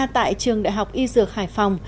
tại trường đại học y dược hải phòng